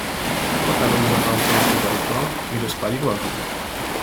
"Potarł zapałkę o pudełko i rozpalił ogień."